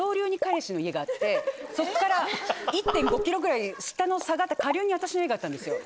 彼氏の家があってそこから１．５ｋｍぐらい下の下がった下流に私の家があったんですよ。